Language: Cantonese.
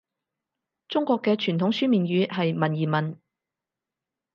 中國嘅傳統書面語係文言文